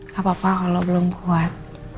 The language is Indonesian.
gapapa kalau belum kuat